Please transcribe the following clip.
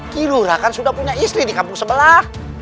kilora kan sudah punya istri di kampung sebelah